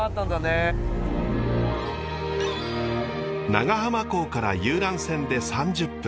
長浜港から遊覧船で３０分。